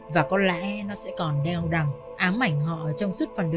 và có lẽ nó sẽ còn đeo đằng ám ảnh họ trong suốt năm